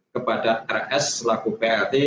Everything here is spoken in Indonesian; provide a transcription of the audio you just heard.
kepada rs selaku pat